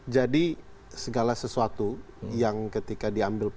jadi segala sesuatu yang ketika diambil polisi